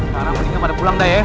sekarang mendingan pada pulang deh ya